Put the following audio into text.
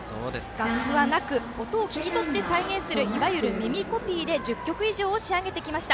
楽譜はなく、音を聴き取って再現するいわゆる耳コピーで１０曲以上を仕上げてきました。